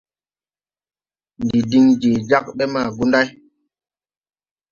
Ndi din je jagbe ma Gunday.